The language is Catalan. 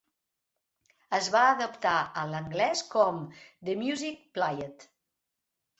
Es va adaptar a l'anglès com "The Music Played".